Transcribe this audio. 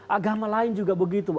agama lain juga begitu